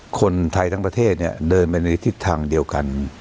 คนไทยทั้งประเทศเดินบายนิษฐิษฐังเดียวกัน